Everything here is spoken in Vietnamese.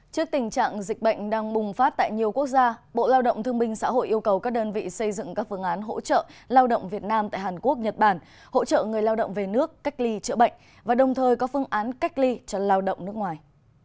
trước tình trạng dịch bệnh đang bùng phát tại nhiều quốc gia bộ lao động thương minh xã hội yêu cầu các đơn vị xây dựng các phương án hỗ trợ lao động việt nam tại hàn quốc nhật bản hỗ trợ người lao động về nước cách ly chữa bệnh và đồng thời có phương án cách ly cho lao động nước ngoài